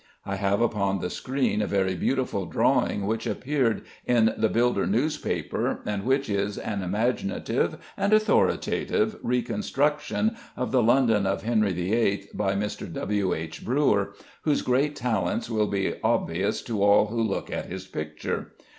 I have upon the screen a very beautiful drawing which appeared in the Builder newspaper, and which is an imaginative and authoritative reconstruction of the London of Henry VIII., by Mr. W. H. Brewer, whose great talents will be obvious to all who look at his picture.